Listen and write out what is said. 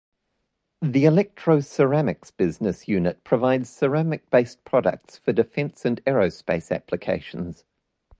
The Electro-Ceramics business unit provides ceramic-based products for defense and aerospace applications.